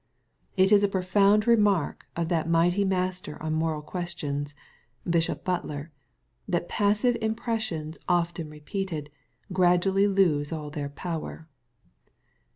It is a profound remark of that mighty master on moral ques tions, Bishop Butler, that passive impressions often repeated, gradually lose all their power.